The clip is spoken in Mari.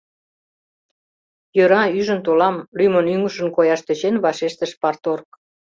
— Йӧра, ӱжын толам, — лӱмын ӱҥышын кояш тӧчен, вашештыш парторг.